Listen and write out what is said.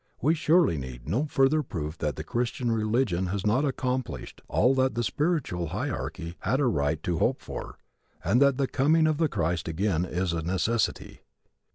We surely need no further proof that the Christian religion has not accomplished all that the spiritual hierarchy had a right to hope for, and that the coming of the Christ again is a necessity.